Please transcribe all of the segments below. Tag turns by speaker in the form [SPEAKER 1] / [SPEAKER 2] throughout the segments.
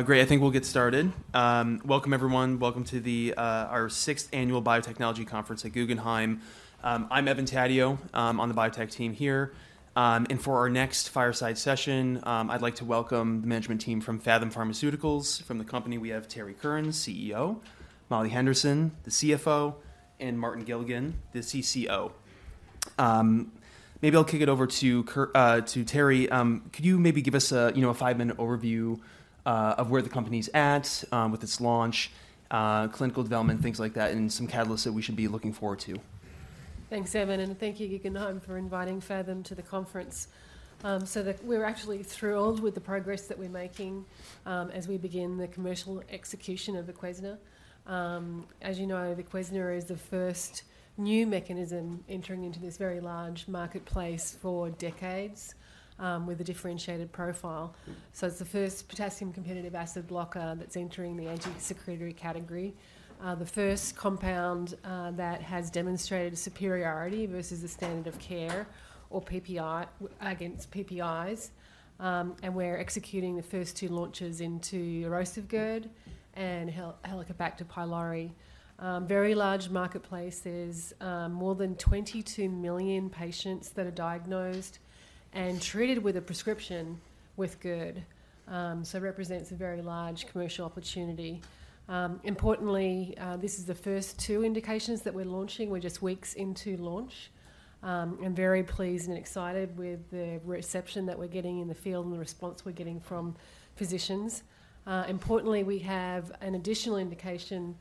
[SPEAKER 1] Great, I think we'll get started. Welcome everyone. Welcome to our sixth annual Biotechnology Conference at Guggenheim. I'm Evan Taddeo. I'm on the biotech team here. And for our next fireside session, I'd like to welcome the management team from Phathom Pharmaceuticals. From the company, we have Terrie Curran, CEO; Molly Henderson, the CFO; and Martin Gilligan, the CCO. Maybe I'll kick it over to Terrie. Could you maybe give us a, you know, a five-minute overview of where the company's at with its launch, clinical development, things like that, and some catalysts that we should be looking forward to?
[SPEAKER 2] Thanks, Evan, and thank you, Guggenheim, for inviting Phathom to the conference. We're actually thrilled with the progress that we're making, as we begin the commercial execution of VOQUEZNA. As you know, VOQUEZNA is the first new mechanism entering into this very large marketplace for decades, with a differentiated profile. So it's the first potassium-competitive acid blocker that's entering the antisecretory category, the first compound that has demonstrated superiority versus the standard of care against PPIs. And we're executing the first two launches into erosive GERD and Helicobacter pylori. Very large marketplaces, more than 22 million patients that are diagnosed and treated with a prescription with GERD, so represents a very large commercial opportunity. Importantly, this is the first two indications that we're launching. We're just weeks into launch, and very pleased and excited with the reception that we're getting in the field and the response we're getting from physicians. Importantly, we have an additional indication.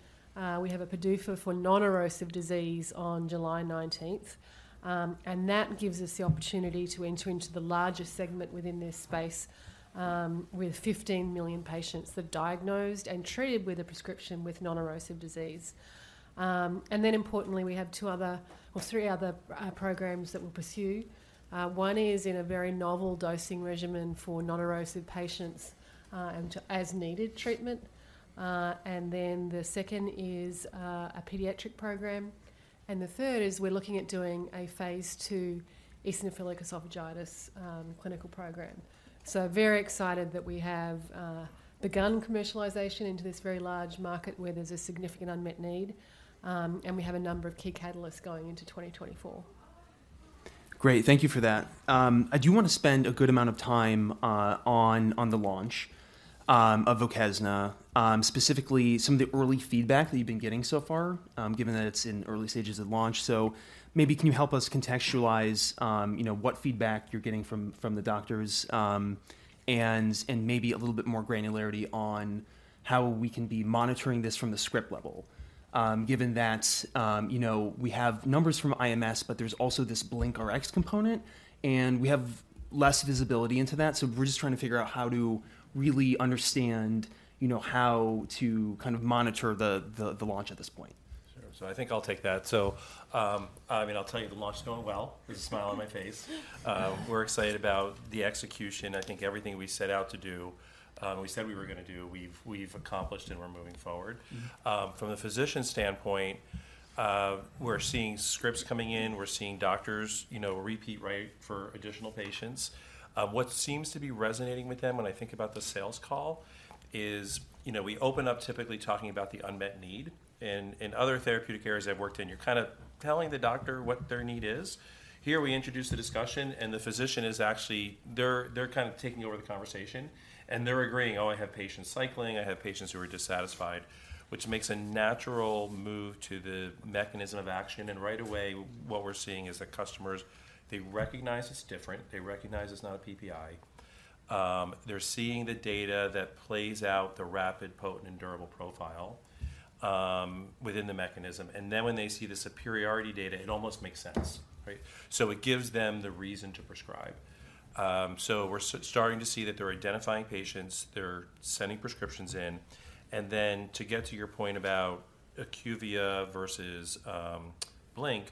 [SPEAKER 2] We have a PDUFA for non-erosive disease on July nineteenth, and that gives us the opportunity to enter into the largest segment within this space, with 15 million patients that are diagnosed and treated with a prescription with non-erosive disease. And then importantly, we have two other or three other programs that we'll pursue. One is in a very novel dosing regimen for non-erosive patients, and to as-needed treatment. And then the second is a pediatric program, and the third is we're looking at doing a Phase II eosinophilic esophagitis clinical program. Very excited that we have begun commercialization into this very large market where there's a significant unmet need, and we have a number of key catalysts going into 2024.
[SPEAKER 1] Great, thank you for that. I do want to spend a good amount of time on the launch of VOQUEZNA, specifically some of the early feedback that you've been getting so far, given that it's in early stages of launch. So maybe can you help us contextualize, you know, what feedback you're getting from the doctors, and maybe a little bit more granularity on how we can be monitoring this from the script level? Given that, you know, we have numbers from IMS, but there's also this BlinkRx component, and we have less visibility into that, so we're just trying to figure out how to really understand, you know, how to kind of monitor the launch at this point.
[SPEAKER 3] Sure. So I think I'll take that. So, I mean, I'll tell you, the launch is going well. There's a smile on my face. We're excited about the execution. I think everything we set out to do, we said we were gonna do, we've accomplished, and we're moving forward.
[SPEAKER 1] Mm-hmm.
[SPEAKER 3] From the physician standpoint, we're seeing scripts coming in. We're seeing doctors, you know, repeat, right, for additional patients. What seems to be resonating with them when I think about the sales call is, you know, we open up typically talking about the unmet need, and in other therapeutic areas I've worked in, you're kind of telling the doctor what their need is. Here, we introduce the discussion, and the physician is actually, they're kind of taking over the conversation, and they're agreeing, "Oh, I have patients cycling. I have patients who are dissatisfied," which makes a natural move to the mechanism of action. And right away, what we're seeing is that customers, they recognize it's different. They recognize it's not a PPI. They're seeing the data that plays out, the rapid, potent, and durable profile within the mechanism, and then when they see the superiority data, it almost makes sense, right? So it gives them the reason to prescribe. So we're starting to see that they're identifying patients, they're sending prescriptions in, and then to get to your point about IQVIA versus Blink,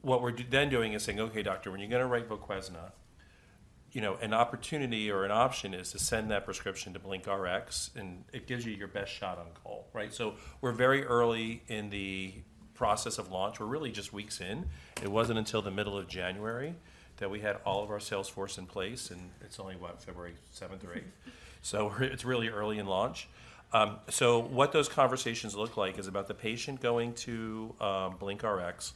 [SPEAKER 3] what we're then doing is saying: "Okay, doctor, when you're gonna write VOQUEZNA, you know, an opportunity or an option is to send that prescription to BlinkRx, and it gives you your best shot on call," right? So we're very early in the process of launch. We're really just weeks in. It wasn't until the middle of January that we had all of our sales force in place, and it's only, what, February seventh or eighth? It's really early in launch. So what those conversations look like is about the patient going to BlinkRx,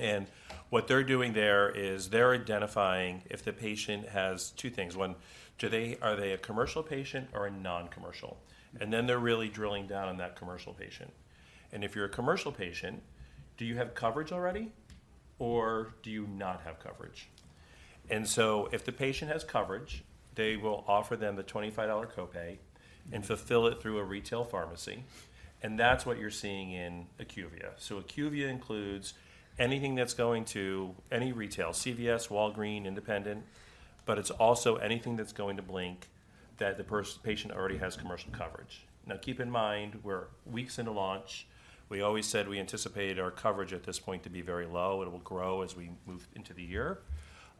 [SPEAKER 3] and what they're doing there is they're identifying if the patient has two things: One, are they a commercial patient or a non-commercial? And then they're really drilling down on that commercial patient, and if you're a commercial patient, do you have coverage already, or do you not have coverage? And so if the patient has coverage, they will offer them the $25 copay and fulfill it through a retail pharmacy, and that's what you're seeing in IQVIA. So IQVIA includes anything that's going to any retail, CVS, Walgreens, independent, but it's also anything that's going to Blink that the patient already has commercial coverage. Now, keep in mind, we're weeks into launch. We always said we anticipated our coverage at this point to be very low, and it will grow as we move into the year.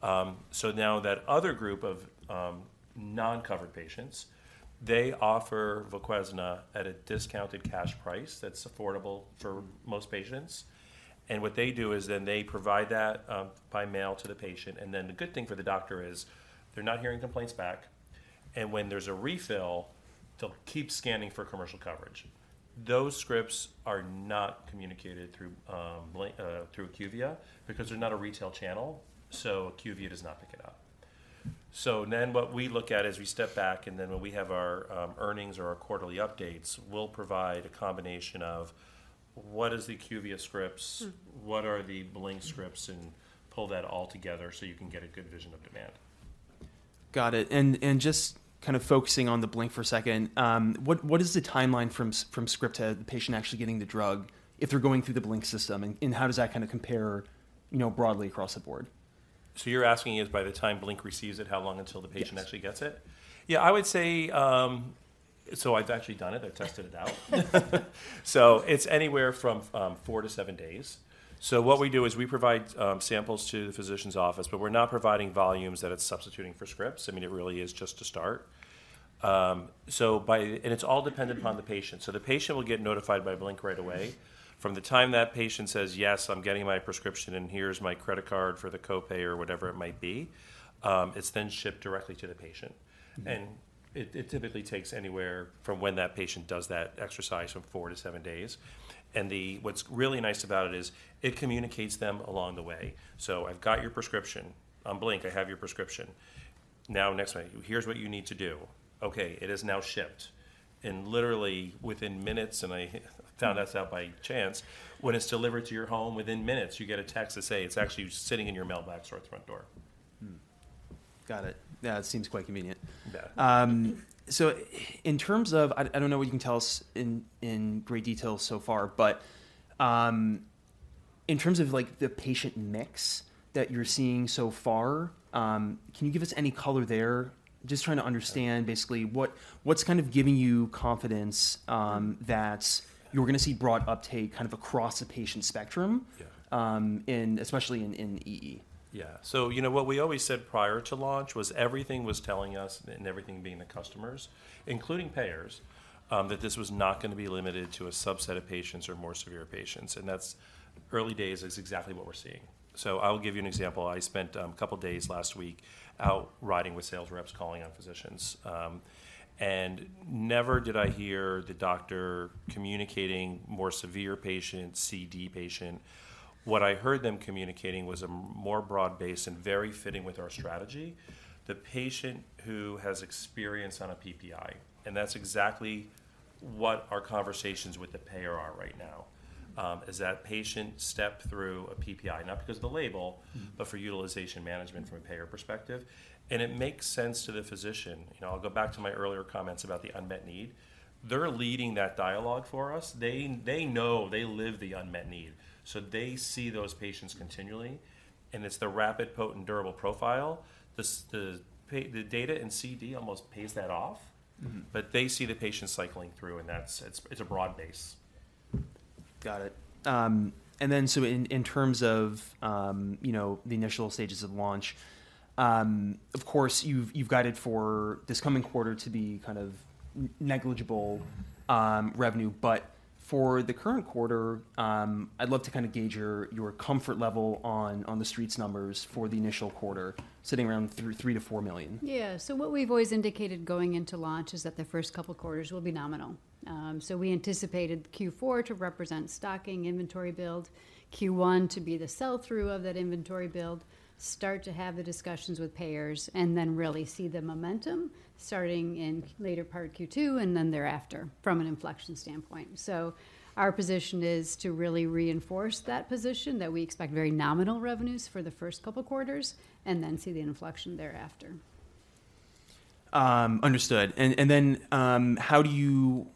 [SPEAKER 3] So now that other group of non-covered patients, they offer VOQUEZNA at a discounted cash price that's affordable for most patients. And what they do is then they provide that by mail to the patient, and then the good thing for the doctor is they're not hearing complaints back, and when there's a refill, they'll keep scanning for commercial coverage. Those scripts are not communicated through IQVIA, because they're not a retail channel, so IQVIA does not pick it up. So then what we look at is we step back, and then when we have our earnings or our quarterly updates, we'll provide a combination of what is the IQVIA scripts-
[SPEAKER 1] Mm-hmm.
[SPEAKER 3] - What are the Blink scripts, and pull that all together so you can get a good vision of demand.
[SPEAKER 1] Got it. And just kind of focusing on the Blink for a second, what is the timeline from script to the patient actually getting the drug if they're going through the Blink system? And how does that kinda compare, you know, broadly across the board?
[SPEAKER 3] So, you're asking is, by the time Blink receives it, how long until the patient actually gets it?
[SPEAKER 1] Yes.
[SPEAKER 3] Yeah, I would say. So I've actually done it. I've tested it out. So it's anywhere from four to seven days. So what we do is we provide samples to the physician's office, but we're not providing volumes that it's substituting for scripts. I mean, it really is just a start. And it's all dependent upon the patient. So the patient will get notified by Blink right away. From the time that patient says, "Yes, I'm getting my prescription, and here's my credit card for the copay," or whatever it might be, it's then shipped directly to the patient.
[SPEAKER 1] Mm-hmm.
[SPEAKER 3] It typically takes anywhere from when that patient does that exercise four to seven days. What's really nice about it is it communicates them along the way. So, "I've got your prescription. On Blink, I have your prescription. Now, next thing, here's what you need to do. Okay, it is now shipped." And literally, within minutes, and I found this out by chance, when it's delivered to your home, within minutes, you get a text to say it's actually sitting in your mailbox or at the front door.
[SPEAKER 1] Hmm. Got it. Yeah, it seems quite convenient.
[SPEAKER 3] Yeah.
[SPEAKER 1] So in terms of... I don't know what you can tell us in great detail so far, but, in terms of, like, the patient mix that you're seeing so far, can you give us any color there? Just trying to understand-
[SPEAKER 3] Yeah...
[SPEAKER 1] basically, what's kind of giving you confidence, that-
[SPEAKER 3] Yeah...
[SPEAKER 1] you're gonna see broad uptake kind of across the patient spectrum?
[SPEAKER 3] Yeah.
[SPEAKER 1] Especially in EE.
[SPEAKER 3] Yeah. So, you know, what we always said prior to launch was everything was telling us, and everything being the customers, including payers, that this was not gonna be limited to a subset of patients or more severe patients, and that's early days is exactly what we're seeing. So I'll give you an example. I spent a couple days last week out riding with sales reps, calling on physicians. And never did I hear the doctor communicating more severe patient, C/D patient. What I heard them communicating was a more broad base and very fitting with our strategy, the patient who has experience on a PPI, and that's exactly what our conversations with the payer are right now.
[SPEAKER 1] Mm-hmm.
[SPEAKER 3] As that patient step through a PPI, not because of the label-
[SPEAKER 1] Mm-hmm...
[SPEAKER 3] but for utilization management from a payer perspective, and it makes sense to the physician. You know, I'll go back to my earlier comments about the unmet need. They're leading that dialogue for us. They, they know, they live the unmet need, so they see those patients continually, and it's the rapid, potent, durable profile. The data and C/D almost pays that off.
[SPEAKER 1] Mm-hmm.
[SPEAKER 3] But they see the patient cycling through, and that's it. It's a broad base.
[SPEAKER 1] Got it. And then, so in terms of, you know, the initial stages of launch, of course, you've guided for this coming quarter to be kind of negligible revenue, but for the current quarter, I'd love to kind of gauge your comfort level on the Street's numbers for the initial quarter, sitting around $3 million-$4 million.
[SPEAKER 4] Yeah. So what we've always indicated going into launch is that the first couple quarters will be nominal. So we anticipated Q4 to represent stocking, inventory build, Q1 to be the sell-through of that inventory build, start to have the discussions with payers, and then really see the momentum starting in later part Q2, and then thereafter, from an inflection standpoint. So our position is to really reinforce that position, that we expect very nominal revenues for the first couple quarters, and then see the inflection thereafter.
[SPEAKER 1] Understood. And then, how do you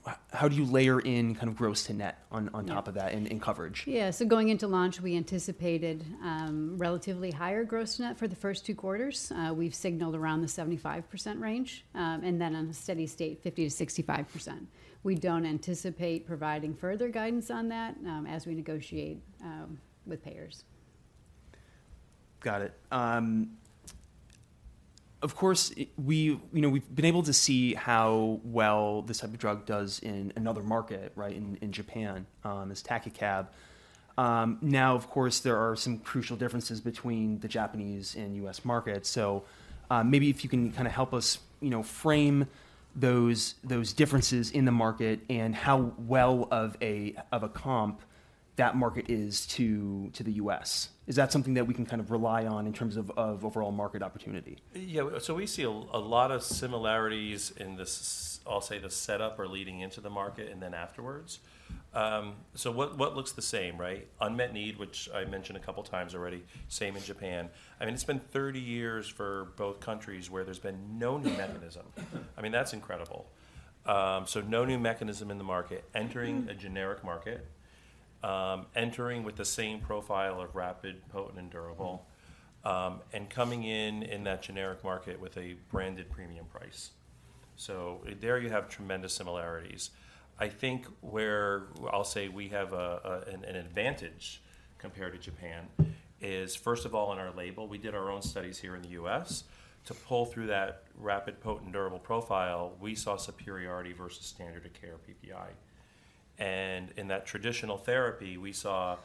[SPEAKER 1] layer in kind of gross-to-net on top-
[SPEAKER 4] Yeah...
[SPEAKER 1] of that in coverage?
[SPEAKER 4] Yeah, so going into launch, we anticipated relatively higher gross-to-net for the first two quarters. We've signalled around the 75% range, and then on a steady state, 50%-65%. We don't anticipate providing further guidance on that, as we negotiate with payers.
[SPEAKER 1] Got it. Of course, we, you know, we've been able to see how well this type of drug does in another market, right, in Japan, as TAKECAB. Now, of course, there are some crucial differences between the Japanese and U.S. markets, so, maybe if you can kind of help us, you know, frame those differences in the market and how well of a comp that market is to the U.S. Is that something that we can kind of rely on in terms of overall market opportunity?
[SPEAKER 3] Yeah, so we see a lot of similarities in this, I'll say, the setup or leading into the market and then afterwards. So what looks the same, right? Unmet need, which I mentioned a couple times already, same in Japan. I mean, it's been 30 years for both countries where there's been no new mechanism. I mean, that's incredible. So no new mechanism in the market, entering-
[SPEAKER 4] Mm-hmm...
[SPEAKER 3] a generic market, entering with the same profile of rapid, potent, and durable-
[SPEAKER 1] Mm-hmm...
[SPEAKER 3] and coming in in that generic market with a branded premium price. So there, you have tremendous similarities. I think where I'll say we have an advantage compared to Japan is, first of all, in our label. We did our own studies here in the U.S. to pull through that rapid, potent, durable profile. We saw superiority versus standard of care PPI. And in that traditional therapy, we saw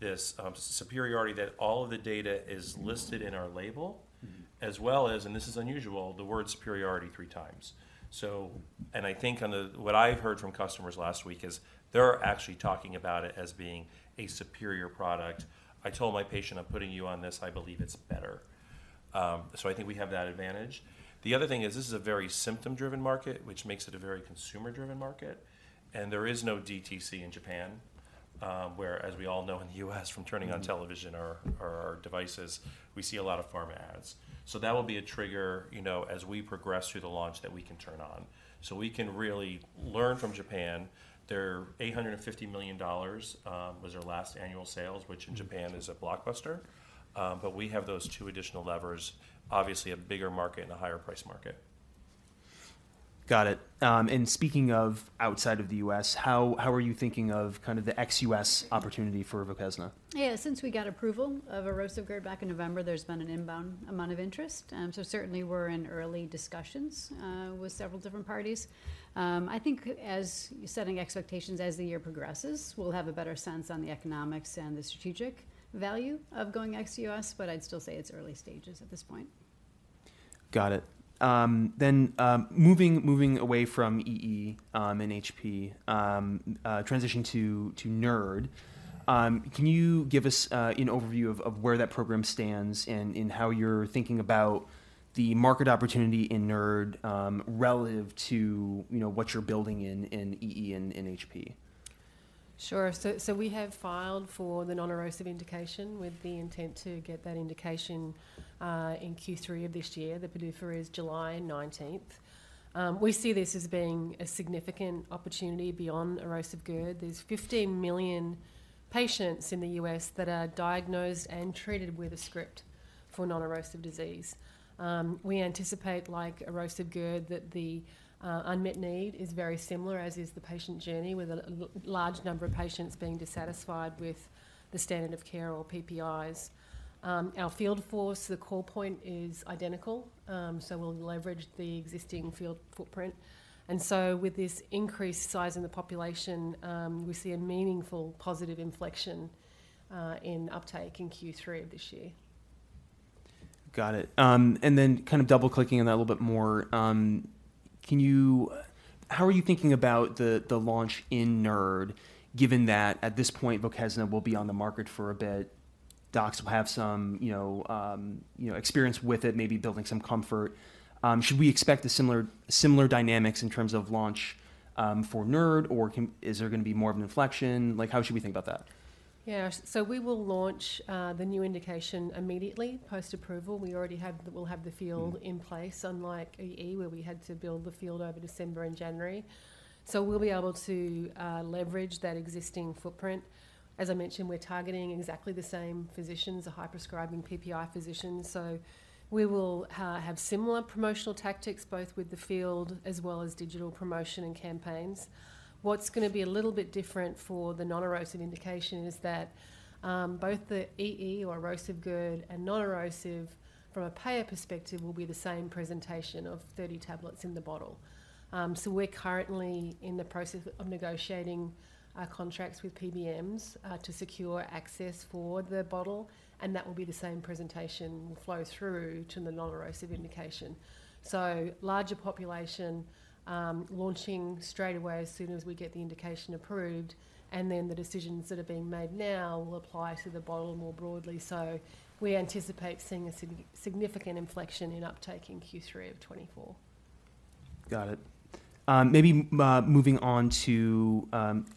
[SPEAKER 3] this superiority that all of the data is listed in our label-
[SPEAKER 1] Mm-hmm.
[SPEAKER 3] as well as, and this is unusual, the word superiority three times. So, and I think on the—what I've heard from customers last week is they're actually talking about it as being a superior product. "I told my patient I'm putting you on this, I believe it's better." So I think we have that advantage. The other thing is, this is a very symptom-driven market, which makes it a very consumer-driven market, and there is no DTC in Japan. Whereas we all know in the U.S. from turning on television-
[SPEAKER 1] Mm-hmm...
[SPEAKER 3] or our devices, we see a lot of pharma ads. So that will be a trigger, you know, as we progress through the launch that we can turn on. So we can really learn from Japan. Their $850 million was their last annual sales, which in Japan-
[SPEAKER 1] Mm-hmm...
[SPEAKER 3] is a blockbuster. But we have those two additional levers, obviously a bigger market and a higher price market.
[SPEAKER 1] Got it. And speaking of outside of the U.S., how are you thinking of kind of the ex-U.S. opportunity for VOQUEZNA?
[SPEAKER 2] Yeah, since we got approval of erosive GERD back in November, there's been an inbound amount of interest. So certainly we're in early discussions with several different parties. I think as setting expectations as the year progresses, we'll have a better sense on the economics and the strategic value of going ex-U.S., but I'd still say it's early stages at this point.
[SPEAKER 1] Got it. Then, moving away from EE and HP, transition to NERD. Can you give us an overview of where that program stands and how you're thinking about the market opportunity in NERD, relative to, you know, what you're building in EE and in HP?
[SPEAKER 2] Sure. So, so we have filed for the non-erosive indication with the intent to get that indication in Q3 of this year. The PDUFA is July nineteenth. We see this as being a significant opportunity beyond erosive GERD. There's 15 million patients in the U.S. that are diagnosed and treated with a script for non-erosive disease. We anticipate, like erosive GERD, that the unmet need is very similar, as is the patient journey, with a large number of patients being dissatisfied with the standard of care or PPIs. Our field force, the core point is identical, so we'll leverage the existing field footprint. And so with this increased size in the population, we see a meaningful positive inflection in uptake in Q3 of this year.
[SPEAKER 1] Got it. And then kind of double-clicking on that a little bit more. Can you—how are you thinking about the, the launch in NERD, given that at this point, VOQUEZNA will be on the market for a bit, docs will have some, you know, you know, experience with it, maybe building some comfort? Should we expect a similar, similar dynamics in terms of launch, for NERD, or can—is there gonna be more of an inflection? Like, how should we think about that?
[SPEAKER 2] Yeah. So we will launch the new indication immediately post-approval. We already have we'll have the field-
[SPEAKER 1] Mm-hmm...
[SPEAKER 2] in place, unlike EE, where we had to build the field over December and January. So we'll be able to leverage that existing footprint. As I mentioned, we're targeting exactly the same physicians, the high-prescribing PPI physicians. So we will have similar promotional tactics, both with the field as well as digital promotion and campaigns. What's gonna be a little bit different for the non-erosive indication is that both the EE or erosive GERD and non-erosive, from a payer perspective, will be the same presentation of 30 tablets in the bottle. So we're currently in the process of negotiating contracts with PBMs to secure access for the bottle, and that will be the same presentation flow through to the non-erosive indication. So larger population, launching straight away as soon as we get the indication approved, and then the decisions that are being made now will apply to the label more broadly. So we anticipate seeing a significant inflection in uptake in Q3 of 2024.
[SPEAKER 1] Got it. Maybe moving on to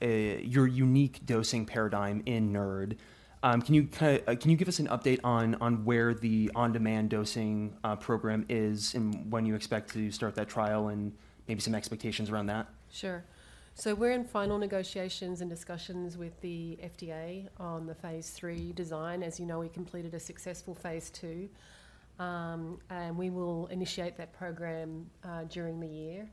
[SPEAKER 1] your unique dosing paradigm in NERD. Can you give us an update on where the on-demand dosing program is, and when you expect to start that trial, and maybe some expectations around that?
[SPEAKER 2] Sure. So we're in final negotiations and discussions with the FDA on the Phase III design. As you know, we completed a successful Phase II. We will initiate that program during the year.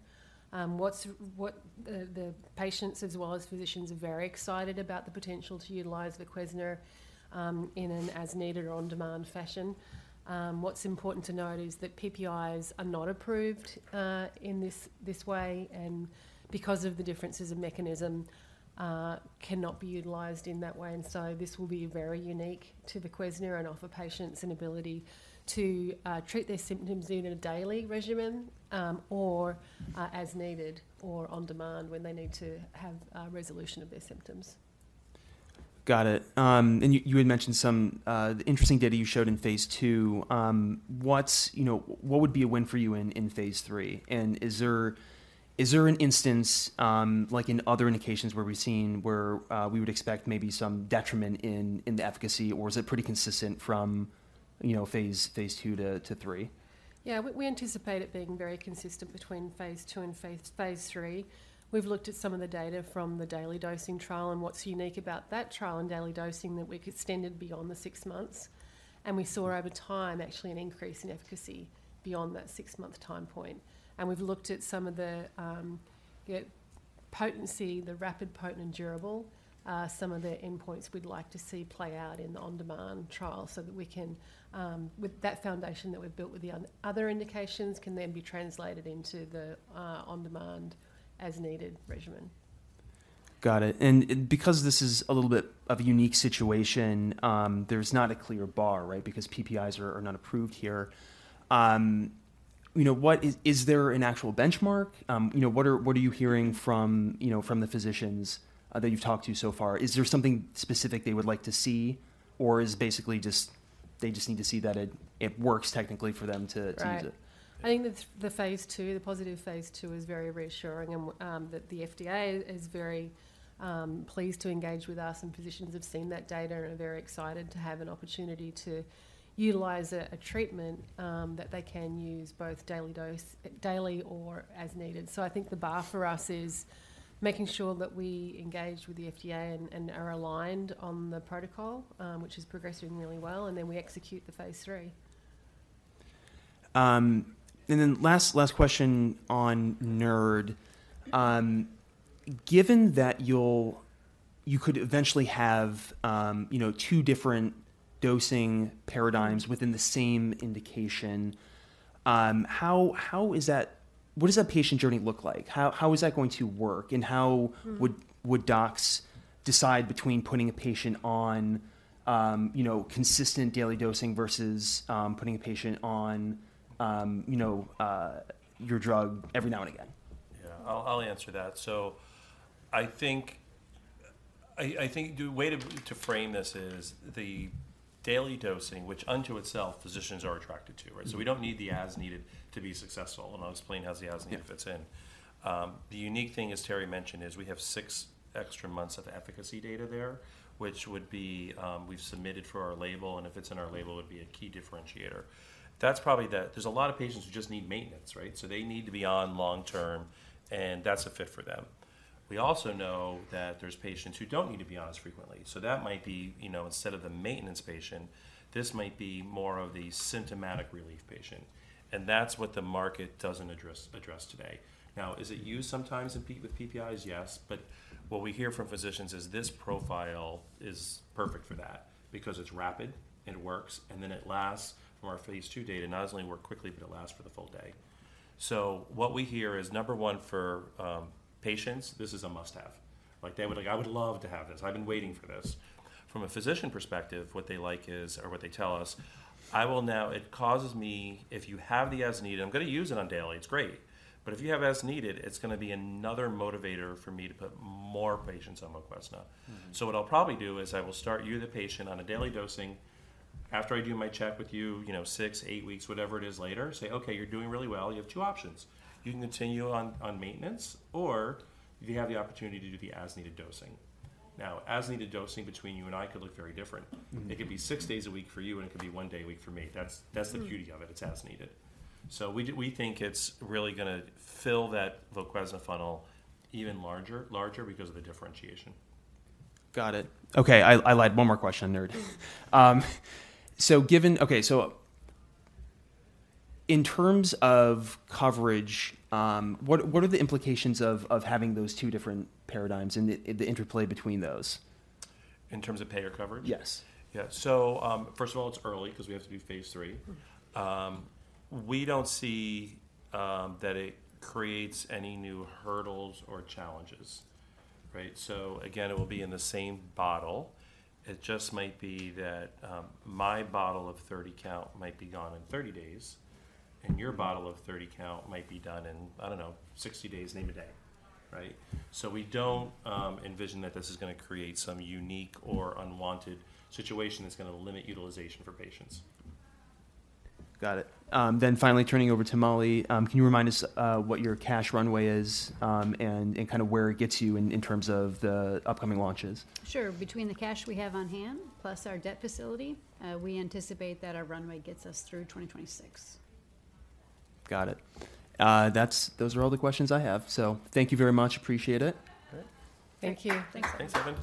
[SPEAKER 2] The patients as well as physicians are very excited about the potential to utilize VOQUEZNA in an as-needed or on-demand fashion. What's important to note is that PPIs are not approved in this way, and because of the differences of mechanism cannot be utilized in that way. So this will be very unique to VOQUEZNA and offer patients an ability to treat their symptoms either in a daily regimen, or as needed or on demand when they need to have resolution of their symptoms.
[SPEAKER 1] Got it. And you had mentioned some interesting data you showed in Phase II. What's, you know, what would be a win for you in Phase III? And is there an instance, like in other indications where we've seen we would expect maybe some detriment in the efficacy, or is it pretty consistent from, you know, Phase II to III?
[SPEAKER 2] Yeah, we anticipate it being very consistent between Phase II and Phase III. We've looked at some of the data from the daily dosing trial, and what's unique about that trial and daily dosing that we extended beyond the six months, and we saw over time, actually, an increase in efficacy beyond that six-month time point. And we've looked at some of the potency, the rapid, potent, and durable, some of the endpoints we'd like to see play out in the on-demand trial so that we can, with that foundation that we've built with the other indications, can then be translated into the on-demand, as-needed regimen....
[SPEAKER 1] Got it. And because this is a little bit of a unique situation, there's not a clear bar, right? Because PPIs are not approved here. You know, is there an actual benchmark? You know, what are you hearing from, you know, from the physicians that you've talked to so far? Is there something specific they would like to see? Or is basically just, they just need to see that it works technically for them to, to-
[SPEAKER 2] Right. I think the Phase II, the positive Phase II is very reassuring, and that the FDA is very pleased to engage with us, and physicians have seen that data and are very excited to have an opportunity to utilize a treatment that they can use both daily dose, daily or as needed. So I think the bar for us is making sure that we engage with the FDA and are aligned on the protocol, which is progressing really well, and then we execute the Phase III.
[SPEAKER 1] And then last question on NERD. Given that you could eventually have, you know, two different dosing paradigms within the same indication, how is that? What does that patient journey look like? How is that going to work?
[SPEAKER 2] Mm.
[SPEAKER 1] How would docs decide between putting a patient on, you know, consistent daily dosing versus putting a patient on, you know, your drug every now and again?
[SPEAKER 3] Yeah. I'll answer that. So I think the way to frame this is the daily dosing, which unto itself, physicians are attracted to, right?
[SPEAKER 1] Mm-hmm.
[SPEAKER 3] So we don't need the as-needed to be successful, and I'll explain how the as-needed-
[SPEAKER 1] Yeah...
[SPEAKER 3] fits in. The unique thing, as Terrie mentioned, is we have six extra months of efficacy data there, which would be, we've submitted for our label, and if it's in our label, it would be a key differentiator. That's probably the, there's a lot of patients who just need maintenance, right? So they need to be on long term, and that's a fit for them. We also know that there's patients who don't need to be on as frequently. So that might be, you know, instead of the maintenance patient, this might be more of the symptomatic relief patient, and that's what the market doesn't address today. Now, is it used sometimes with PPIs? Yes. But what we hear from physicians is this profile is perfect for that because it's rapid, and it works, and then it lasts. From our Phase II data, not only work quickly, but it lasts for the full day. So what we hear is, number one, for, patients, this is a must-have. Like, they would like, "I would love to have this. I've been waiting for this." From a physician perspective, what they like is, or what they tell us: "I will now... It causes me, if you have the as-needed, I'm gonna use it on daily, it's great. But if you have as-needed, it's gonna be another motivator for me to put more patients on VOQUEZNA.
[SPEAKER 1] Mm-hmm.
[SPEAKER 3] So what I'll probably do is I will start you, the patient, on a daily dosing. After I do my check with you, you know, six-eight weeks, whatever it is, later, say, 'Okay, you're doing really well. You have two options: You can continue on, on maintenance, or you have the opportunity to do the as-needed dosing.' Now, as-needed dosing between you and I could look very different.
[SPEAKER 1] Mm-hmm.
[SPEAKER 3] It could be six days a week for you, and it could be one day a week for me. That's-
[SPEAKER 2] Mm...
[SPEAKER 3] that's the beauty of it. It's as-needed." So we we think it's really gonna fill that VOQUEZNA funnel even larger, larger because of the differentiation.
[SPEAKER 1] Got it. Okay, I lied. One more question on NERD. Okay, so in terms of coverage, what are the implications of having those two different paradigms and the interplay between those?
[SPEAKER 3] In terms of payer coverage?
[SPEAKER 1] Yes.
[SPEAKER 3] Yeah. So, first of all, it's early 'cause we have to do Phase III.
[SPEAKER 2] Mm.
[SPEAKER 3] We don't see that it creates any new hurdles or challenges, right? So again, it will be in the same bottle. It just might be that my bottle of 30 count might be gone in 30 days, and your bottle of 30 count might be done in, I don't know, 60 days, name a day, right? So we don't envision that this is gonna create some unique or unwanted situation that's gonna limit utilization for patients.
[SPEAKER 1] Got it. Then finally, turning over to Molly, can you remind us what your cash runway is, and kind of where it gets you in terms of the upcoming launches?
[SPEAKER 4] Sure. Between the cash we have on hand, plus our debt facility, we anticipate that our runway gets us through 2026.
[SPEAKER 1] Got it. Those are all the questions I have. Thank you very much. Appreciate it.
[SPEAKER 3] All right.
[SPEAKER 2] Thank you.
[SPEAKER 4] Thanks.
[SPEAKER 3] Thanks, Evan.